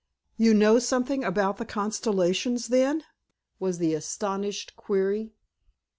"You know something about the constellations, then?" was the astonished query.